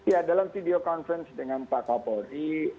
ya dalam video conference dengan pak kapolri